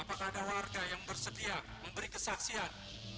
apakah ada warga yang bersedia memberi kesaksian